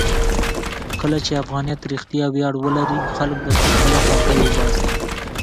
کله چې افغانیت رښتیا ویاړ ولري، خلک به خپله خوښۍ وباسي.